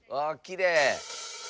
あきれい！